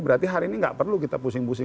berarti hari ini nggak perlu kita pusing pusing